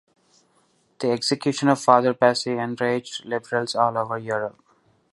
The execution of Father Bassi enraged Liberals all over Europe.